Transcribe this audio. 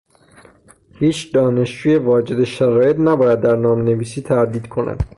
هیچ دانشجوی واجد شرایط نباید در نامنویسی تردید کند.